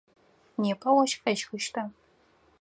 Непэ ощх къещхыщта?